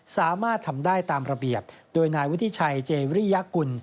สามารถทำได้ตามระเบียบโดยนายวุฒิชัยเจริยกุล